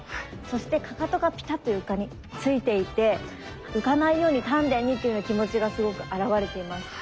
そしてかかとがピタッと床についていて浮かないように丹田にという気持ちがすごく表れていました。